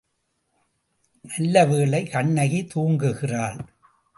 நல்லவேளை கண்ணகி தூங்குகிறாள்.